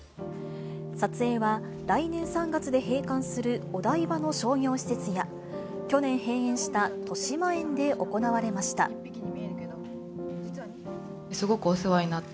撮影は、来年３月で閉館するお台場の商業施設や、去年閉園したとしまえんで行われました。